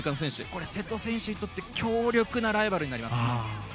これは瀬戸選手にとって強力なライバルになります。